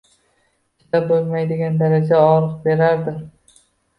Chidab bo‘lmaydigan darajada og‘riq berardi.